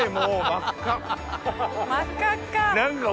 真っ赤っか。